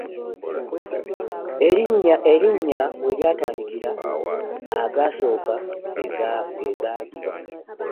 Erinnya we lyatandikira, agaasooka ne gadiba.